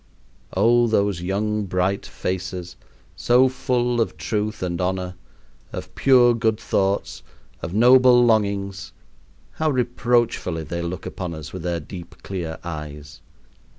Oh, those young bright faces, so full of truth and honor, of pure, good thoughts, of noble longings, how reproachfully they look upon us with their deep, clear eyes!